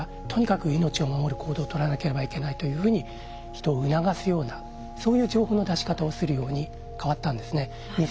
とにかく命を守る行動を取らなければいけないというふうに人を促すようなそういう情報の出し方をするように変わったんですね。